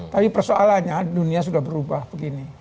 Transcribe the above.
tapi persoalannya dunia sudah berubah begini